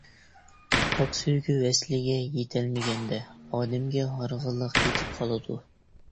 پاك سۆيگۈ ۋەسلىگە يىتەلمىگەندە، ئادەمگە ھارغىنلىق يىتىپ قالىدۇ.